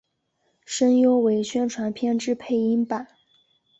声优为宣传片之配音版。